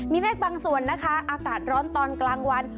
มีเมฆบางส่วนนะคะอากาศร้อนตอนกลางวัน